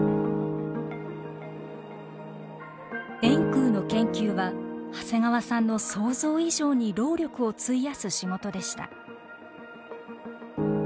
円空の研究は長谷川さんの想像以上に労力を費やす仕事でした。